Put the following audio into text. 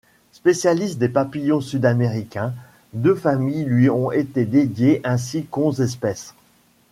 Spécialiste des papillons sud-américains, deux familles lui ont été dédiées ainsi qu'onze espèces.